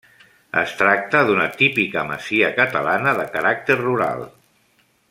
Es tracta d'una típica masia catalana de caràcter rural.